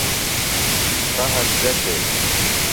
قحط گہ شئی ؟